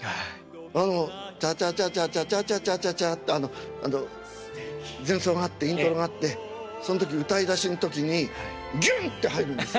あの「チャチャチャチャチャチャチャチャチャチャ」の前奏があってイントロがあってその時歌いだしの時にギュンッて入るんです。